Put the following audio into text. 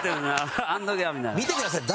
見てください。